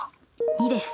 ２です。